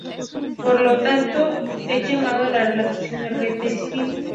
Por lo tanto, T es llamado la relajación de la "red de spin".